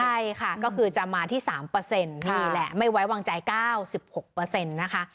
ใช่ค่ะก็คือจะมาที่สามเปอร์เซ็นต์นี่แหละไม่ไว้วางใจเก้าสิบหกเปอร์เซ็นต์นะคะ